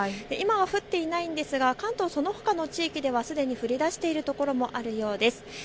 今降っていないんですが、関東そのほかの地域ではすでに降りだしている所もあるようです。